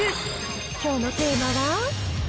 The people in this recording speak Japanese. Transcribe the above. きょうのテーマは？